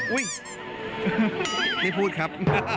อุ๊ยไม่พูดครับ